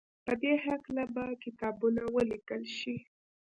په دې هکله به کتابونه وليکل شي.